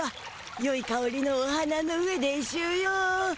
よいかおりのお花の上でしゅよ。